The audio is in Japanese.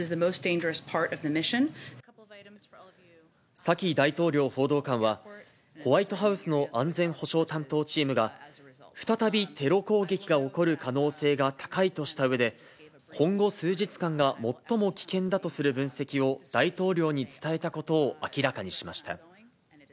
サキ大統領報道官は、ホワイトハウスの安全保障担当チームが、再びテロ攻撃が起こる可能性が高いとしたうえで、今後、数日間が最も危険だとする分析を大統領に伝えたことを明らかにしました。